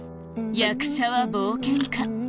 「役者は冒険家」